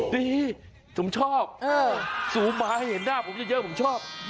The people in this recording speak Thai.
ดีสมชอบสูมมาให้เห็นหน้าผมเยอะผมชอบ